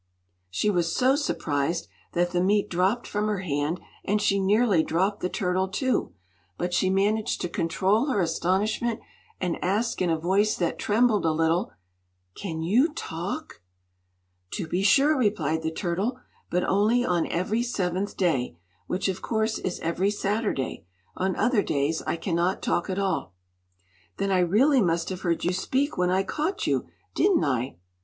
She was so surprised that the meat dropped from her hand, and she nearly dropped the turtle, too. But she managed to control her astonishment, and asked, in a voice that trembled a little: "Can you talk?" "To be sure," replied the turtle; "but only on every seventh day which of course is every Saturday. On other days I cannot talk at all." "Then I really must have heard you speak when I caught you; didn't I?"